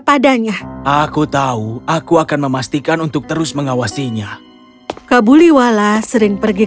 padanya aku tahu aku akan memastikan untuk terus mengawasinya kabuliwala sering pergi